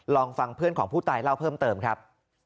ลองฟังเพื่อนของผู้ตายเล่าเพิ่มเติมครับ